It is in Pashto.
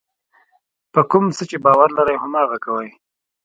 په کوم څه چې باور لرئ هماغه کوئ.